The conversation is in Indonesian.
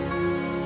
gak boleh cuma